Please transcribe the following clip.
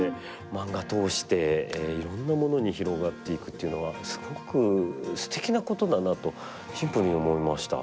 マンガ通していろんなものに広がっていくっていうのはすごくすてきなことだなとシンプルに思いました。